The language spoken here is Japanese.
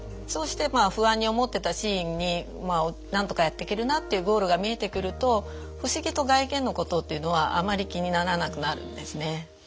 そうして不安に思ってたシーンになんとかやっていけるなっていうゴールが見えてくると不思議と外見のことっていうのはあんまり気にならなくなるんですね。